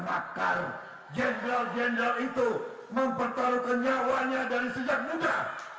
bahkan jenderal jenderal itu mempertaruhkan nyawanya dari sejak muda